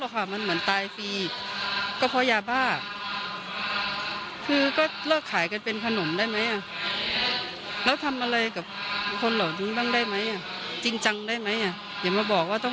ควรจะแลกด้วยชีวิต